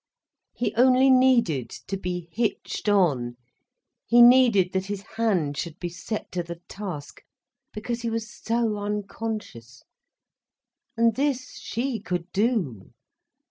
He only needed to be hitched on, he needed that his hand should be set to the task, because he was so unconscious. And this she could do.